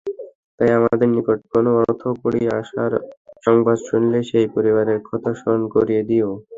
তাই আমাদের নিকট কোন অর্থকড়ি আসার সংবাদ শুনলে সেই পরিবারের কথা স্মরণ করিয়ে দিও।